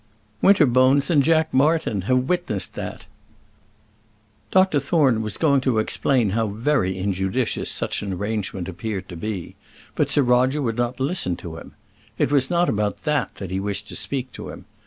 Winterbones and Jack Martin have witnessed that." Dr Thorne was going to explain how very injudicious such an arrangement appeared to be; but Sir Roger would not listen to him. It was not about that that he wished to speak to him.